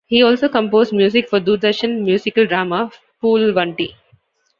He also composed music for Doordarshan musical drama "Phoolwanti".